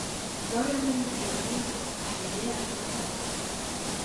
Gaur egun, Alemaniako aire-armada da.